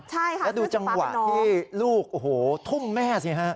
ใช่ค่ะแล้วดูจังหวะที่ลูกโอ้โหทุ่มแม่สิฮะ